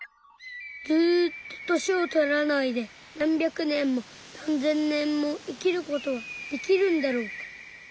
ずっと年をとらないで何百年も何千年も生きる事はできるんだろうか。